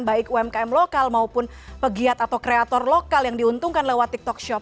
baik umkm lokal maupun pegiat atau kreator lokal yang diuntungkan lewat tiktok shop